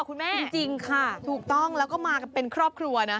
คุณแม่จริงค่ะถูกต้องแล้วก็มากันเป็นครอบครัวนะ